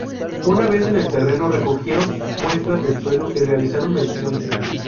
Una vez en el terreno recogieron muestras del suelo y realizaron mediciones.